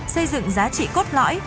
xây dựng giá trị cốt lõi